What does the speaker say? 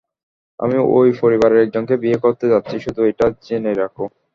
আমি ওই পরিবারের একজনকে বিয়ে করতে যাচ্ছি, শুধু এটা জেনে রাখো।